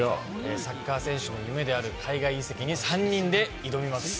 サッカー選手の夢である海外移籍に３人で挑みます。